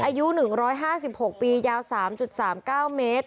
แต่ตะเคียนอายุ๑๕๖ปียาว๓๓๙เมตร